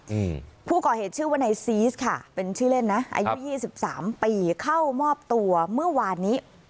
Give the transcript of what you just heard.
อืมผู้ก่อเหตุชื่อว่านายซีสค่ะเป็นชื่อเล่นนะอายุยี่สิบสามปีเข้ามอบตัวเมื่อวานนี้